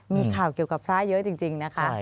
มีข่าวเกี่ยวกับพระเยอะจริงนะคะ